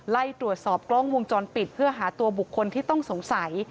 ไล่ตรวจสอบกล้องวงจรปิดเพื่อหาตัวบุคคลที่ต้องสงสัย